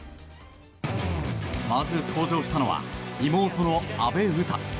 まず登場したのは妹の阿部詩。